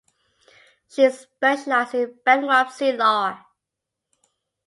She specialized in bankruptcy law.